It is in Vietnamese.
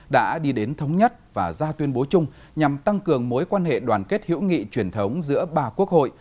đã đi đến thống nhất và ra tuyên bố chung nhằm tăng cường mối quan hệ đoàn kết hữu nghị truyền thống giữa ba quốc hội